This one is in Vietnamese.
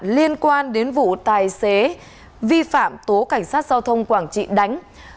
liên quan đến vụ tài xế vi phạm tố cảnh sát giao thông quảng trị đánh